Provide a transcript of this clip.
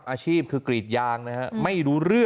อาชีพคือกรีดยางนะครับ